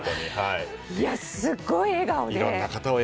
すごい笑顔で。